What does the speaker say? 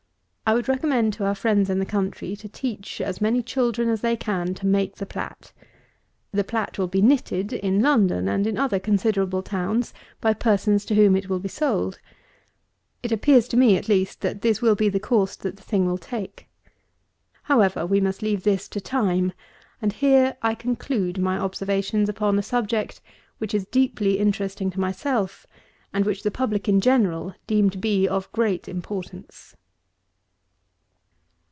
I would recommend to our friends in the country to teach as many children as they can to make the plat. The plat will be knitted in London, and in other considerable towns, by persons to whom it will be sold. It appears to me, at least, that this will be the course that the thing will take. However, we must leave this to time; and here I conclude my observations upon a subject which is deeply interesting to myself, and which the public in general deem to be of great importance.